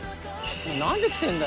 「何で来てんだよ？」